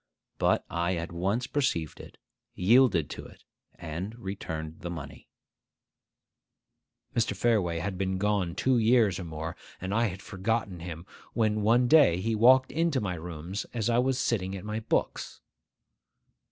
But I at once perceived it, yielded to it, and returned the money— Mr. Fareway had been gone two years or more, and I had forgotten him, when he one day walked into my rooms as I was sitting at my books.